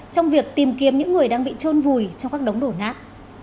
trong việc tìm kiếm những người đang bị trôn vùi trong các đống đổ nát